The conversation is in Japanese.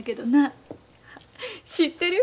知ってる。